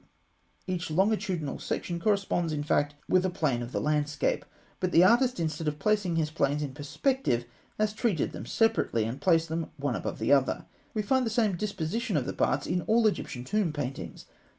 Each longitudinal section corresponds, in fact, with a plane of the landscape; but the artist, instead of placing his planes in perspective, has treated them separately, and placed them one above the other. We find the same disposition of the parts in all Egyptian tomb paintings.